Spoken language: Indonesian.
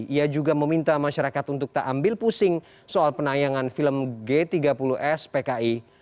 ia juga meminta masyarakat untuk tak ambil pusing soal penayangan film g tiga puluh spki